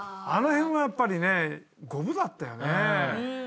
あの辺はやっぱりね五分だったよね。